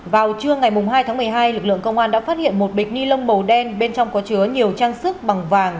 vào trưa ngày hai tháng một mươi hai lực lượng công an đã phát hiện một bịch ni lông màu đen bên trong có chứa nhiều trang sức bằng vàng